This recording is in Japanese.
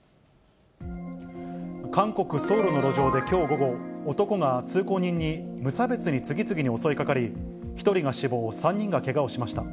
韓国・ソウルの路上できょう午後、男が通行人に無差別に次々に襲いかかり、１人が死亡、３人がけがをしました。